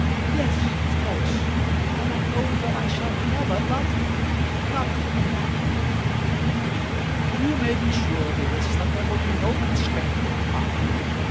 "Yes; of course. And I know that I shall never love him; not in that way." "You may be sure, dearest, that there will be no constraint put upon you.